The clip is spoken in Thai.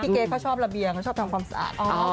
พี่เก้เขาชอบระเบียงเขาชอบทำความสะอาด